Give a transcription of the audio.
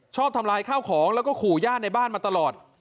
ทำลายข้าวของแล้วก็ขู่ญาติในบ้านมาตลอด